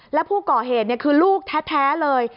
และผู้ก่อเหตุคือลูกแท้เลย